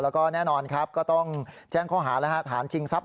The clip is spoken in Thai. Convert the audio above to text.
แล้วก็แน่นอนครับก็ต้องแจ้งเขาหาแล้วฐานจริงทรัพย์